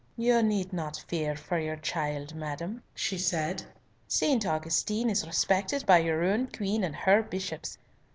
"You need not fear for your child, madam," she said; "St. Augustine is respected by your own Queen and her Bishops.